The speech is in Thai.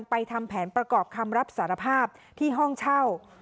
ทำแผนประกอบคำรับสารภาพที่ห้องเช่า